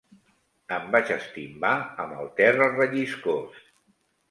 Em vaig estimbar amb el terra relliscós.